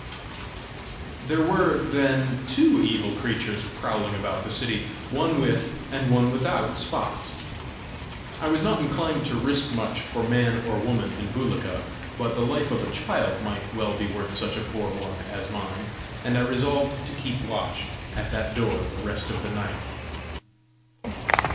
There were, then, two evil creatures prowling about the city, one with, and one without spots! I was not inclined to risk much for man or woman in Bulika, but the life of a child might well be worth such a poor one as mine, and I resolved to keep watch at that door the rest of the night.